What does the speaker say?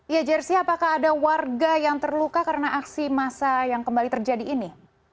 ya jersi apakah ada warga yang terluka karena aksi massa yang kembali terjadi ini